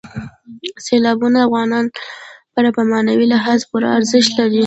سیلابونه د افغانانو لپاره په معنوي لحاظ پوره ارزښت لري.